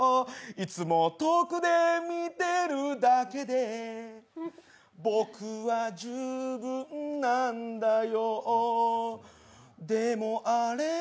いつも遠くで見てるだけで僕は十分なんだよぉでもあれ？